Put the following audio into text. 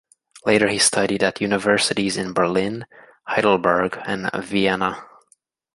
Later he studied at universities in Berlin, Heidelberg and Vienna.